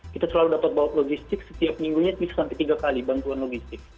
kita selalu dapat bawa logistik setiap minggunya bisa sampai tiga kali bantuan logistik